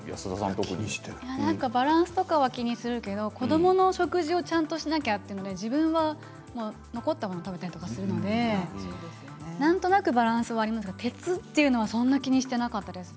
バランスとかは気にするけれども子どもの食事はちゃんとしなきゃというので自分は残ったものを食べたりするのでなんとなくバランスはありますけれども鉄というのはそんなに気にしてなかったです。